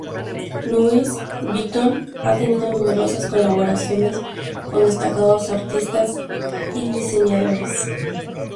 Louis Vuitton ha tenido numerosas colaboraciones con destacados artistas y diseñadores.